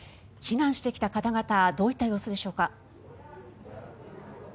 避難してきた方々どういった様子でしょうか？